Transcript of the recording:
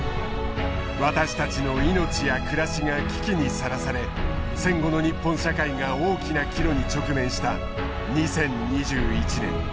私たちの命や暮らしが危機にさらされ戦後の日本社会が大きな岐路に直面した２０２１年。